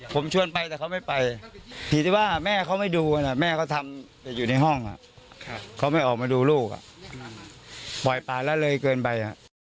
ผมชวนไปแต่เขาไม่ไปทีที่ว่าแม่เขาไม่ดูนะแม่ก็ทำแต่อยู่ในห้องเขาไม่ออกมาดูลูกปล่อยป่าละเลยเกินไป